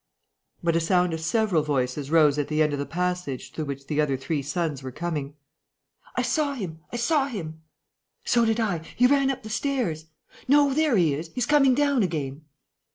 But a sound of several voices rose at the end of the passage through which the other three sons were coming: "I saw him! I saw him!" "So did I! He ran up the stairs." "No, there he is, he's coming down again!"